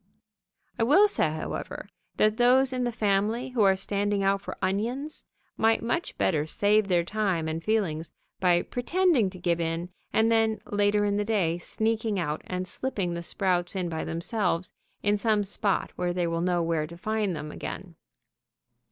I will say, however, that those in the family who are standing out for onions might much better save their time and feelings by pretending to give in, and then, later in the day, sneaking out and slipping the sprouts in by themselves in some spot where they will know where to find them again.